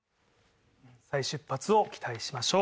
再出発を期待しましょう。